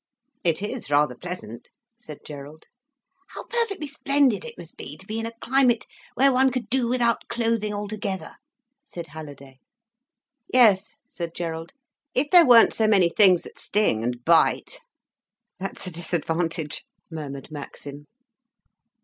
"It is rather pleasant," said Gerald. "How perfectly splendid it must be to be in a climate where one could do without clothing altogether," said Halliday. "Yes," said Gerald, "if there weren't so many things that sting and bite." "That's a disadvantage," murmured Maxim.